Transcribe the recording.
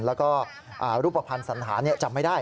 แล้วก็รูปภัณฑ์สันหาจำไม่ได้